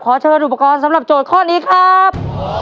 เชิญอุปกรณ์สำหรับโจทย์ข้อนี้ครับ